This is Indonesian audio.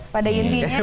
pada intinya ini